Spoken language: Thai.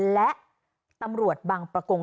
และตำรวจบังประกง